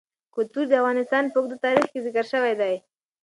کلتور د افغانستان په اوږده تاریخ کې ذکر شوی دی.